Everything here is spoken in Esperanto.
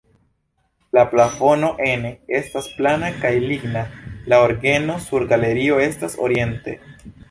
La plafono ene estas plata kaj ligna, la orgeno sur galerio estas oriente.